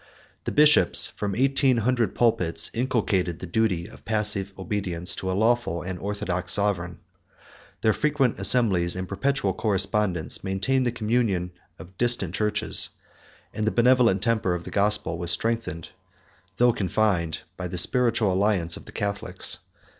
The bishops, from eighteen hundred pulpits, inculcated the duty of passive obedience to a lawful and orthodox sovereign; their frequent assemblies, and perpetual correspondence, maintained the communion of distant churches; and the benevolent temper of the gospel was strengthened, though confined, by the spiritual alliance of the Catholics.